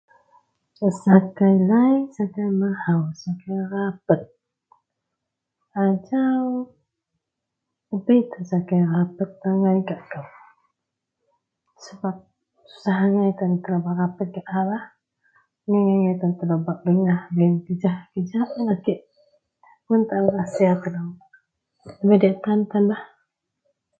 Sakai lai, sakai mahou, sakai rapet. Ajau ndabei tan bei rasa rapet angai gak kou sebab susah angai telou bak rapet gak a lah, mengeng tan telou bak pedengah kelijah kelijah un a kek mun taou resia telou. Ndabei diyak tan, tanlah.